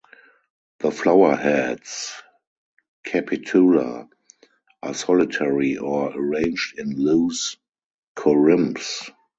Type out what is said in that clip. The flower heads (capitula) are solitary or arranged in loose corymbs.